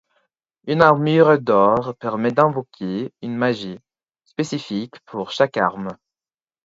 Une armure d'or permet d'invoquer une magie, spécifique pour chaque arme.